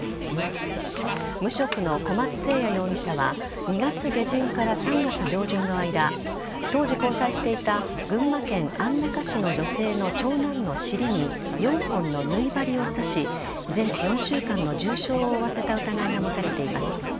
無職の小松誠哉容疑者は２月下旬から３月上旬の間当時交際していた群馬県安中市の女性の長男の尻に４本の縫い針を刺し全治４週間の重傷を負わせた疑いが持たれています。